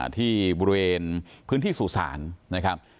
ที่บริเวณพื้นที่สู่ศาลนะครับ